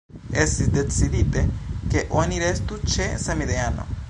Estis decidite, ke oni restu ĉe „samideano”.